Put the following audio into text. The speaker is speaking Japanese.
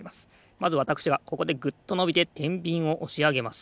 まずわたくしがここでグッとのびててんびんをおしあげます。